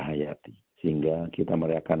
hayati sehingga kita merayakan